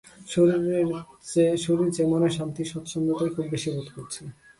শরীর চেয়ে মনের শান্তি-স্বচ্ছন্দতাই খুব বেশী বোধ করছি।